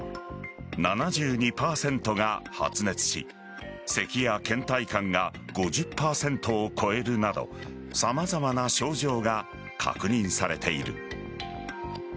７２％が発熱しせきや倦怠感が５０％を超えるなど様々な症状が確認されている。